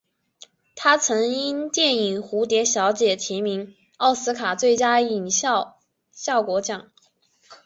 他曾因电影蝴蝶小姐提名奥斯卡最佳音响效果奖。